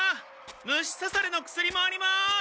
虫さされの薬もあります！